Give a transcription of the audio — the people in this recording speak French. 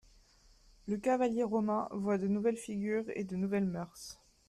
Le cavalier romain voit de nouvelles figures et de nouvelles mœurs.